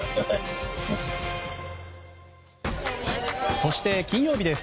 そして、金曜日です。